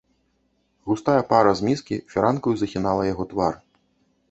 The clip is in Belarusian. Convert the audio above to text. Густая пара з міскі фіранкаю захінала яго твар.